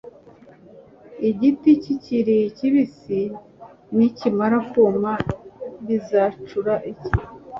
igiti kikiri kibisi nikimara kuma bizacura iki?""